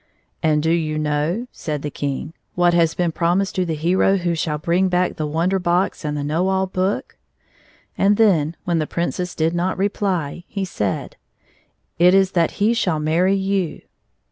"And do you know," said the King, " what has been promised to the hero who shall bring back the Wonder Box and the Kiiow All Book ?" And> then, when the Princess did not reply, he said, " It is that he shall marry you."